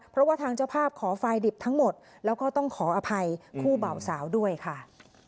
เพราะว่าทางเจ้าภาพขอไฟล์ดิบทั้งหมดแล้วก็ต้องขออภัยคู่เบาสาวด้วยค่ะ